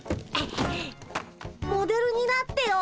モデルになってよ。